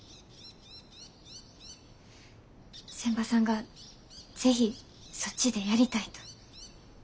仙波さんが是非そっちでやりたいと。